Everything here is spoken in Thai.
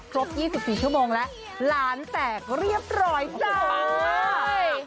ครบ๒๔ชั่วโมงแล้วหลานแตกเรียบร้อยจ้า